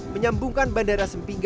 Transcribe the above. menyambungkan bandara sempingga